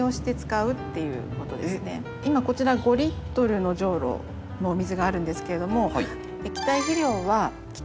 今こちら５のじょうろのお水があるんですけれども。